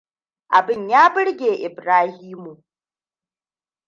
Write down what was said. Abun ya burge Ibrahimu.